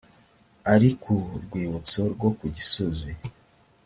ari ku rwibutso rwo ku gisozi